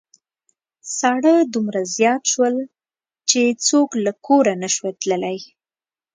ساړه دومره زيات شول چې څوک له کوره نشوای تللای.